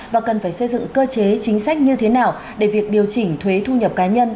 và cần phải xây dựng cơ chế chính sách như thế nào để việc điều chỉnh thuế thu nhập cá nhân